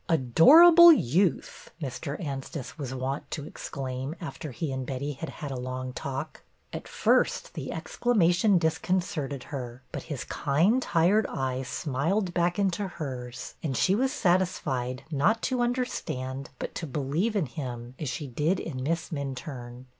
Adorable youth ! Mr. Anstice was wont to exclaim after he and Betty had had a long talk about life. At first the exclamation disconcerted her, but his kind, tired eyes smiled back into hers and she was satisfied not to understand, but to believe in him as she did in Miss Minturne.